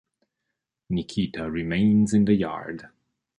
Nikita remains in the yard.